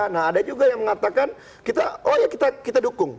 nah ada juga yang mengatakan kita oh ya kita dukung